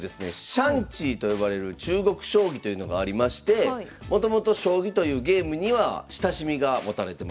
シャンチーと呼ばれる中国将棋というのがありましてもともと将棋というゲームには親しみが持たれてます。